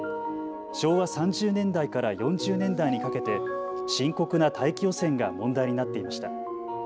昭和３０年代から４０年代にかけて深刻な大気汚染が問題になっていました。